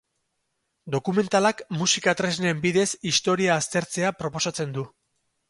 Dokumentalak musika tresnen bidez historia aztertzea proposatzen du.